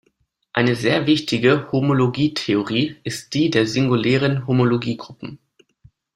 Eine sehr wichtige Homologietheorie ist die der singulären Homologiegruppen.